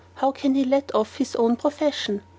How can he let off his own profession?